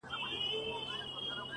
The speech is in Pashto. تا د جنگ لويه فلـسفه ماتــه كــړه”